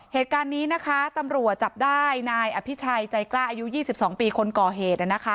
เหตุการณ์นี้นะคะตำรวจจับได้นายอภิชัยใจกล้าอายุ๒๒ปีคนก่อเหตุ